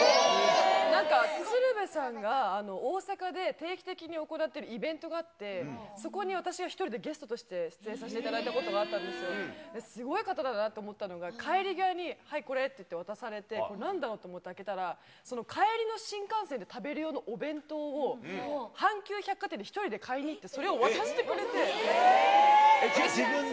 なんか鶴瓶さんが大阪で定期的に行っているイベントがあって、そこに私が１人でゲストとして出演させていただいたことがあったんですよ、すごい方だなと思ったのが、帰り際に、はい、これって渡されて、これ、なんだろうと思って開けたら、帰りの新幹線で食べる用のお弁当を阪急百貨店に１人で買自分で？